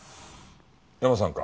ヤマさんか。